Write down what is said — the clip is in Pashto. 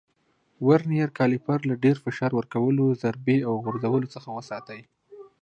ورنیز کالیپر له ډېر فشار ورکولو، ضربې او غورځولو څخه وساتئ.